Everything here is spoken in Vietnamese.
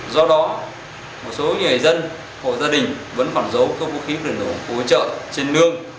do đó một số người dân hộ gia đình vẫn còn giấu các khí nổng cú hỗ trợ trên nương